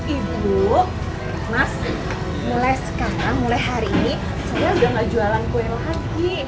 ibu mas mulai sekarang mulai hari ini saya udah gak jualan kue lagi